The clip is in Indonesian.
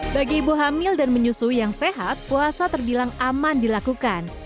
bagi ibu hamil dan menyusui yang sehat puasa terbilang aman dilakukan